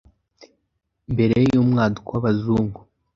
Mbere y’umwaduko w’abazungu,